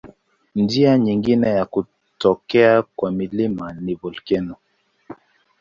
Njia nyingine ya kutokea kwa milima ni volkeno.